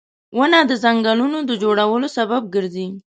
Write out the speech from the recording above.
• ونه د ځنګلونو د جوړولو سبب ګرځي